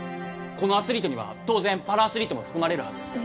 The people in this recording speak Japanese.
この「アスリート」には当然パラアスリートも含まれるはずです